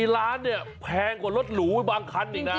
ล้านเนี่ยแพงกว่ารถหรูบางคันอีกนะ